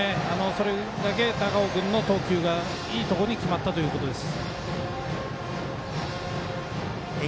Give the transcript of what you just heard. それだけ、高尾君の投球がいいところに決まったということです。